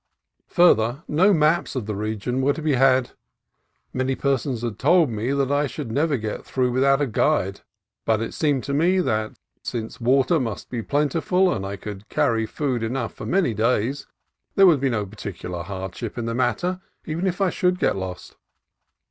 Further, no maps of the region were to be had. Many persons had told me that I should never get through without a guide; but it seemed to me that, since water must be plentiful and I could carry food enough for many days, there would be no particular hardship in the matter even if I should get lost.